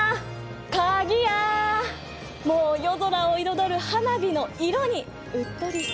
もう夜空を彩る花火の色にうっとりしちゃう。